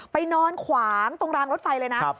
นอนขวางตรงรางรถไฟเลยนะ